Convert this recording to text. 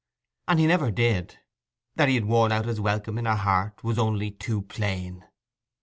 And he never did. That he had worn out his welcome in her heart was only too plain.